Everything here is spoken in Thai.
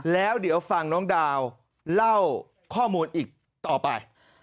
แล้วเดี๋ยวฟังน้องดาวเล่าข้อมูลอีกต่อไป